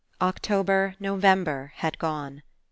October, November had gone.